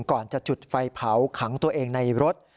ก่อนจะจุดไฟเผาขังตัวเองในรถ